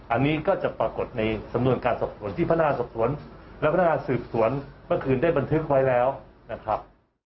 อันนี้ก็จะปรากฏในสำนวนการสอบสวนที่พนักงานสอบสวนและพนักงานสืบสวนเมื่อคืนได้บันทึกไว้แล้วนะครับ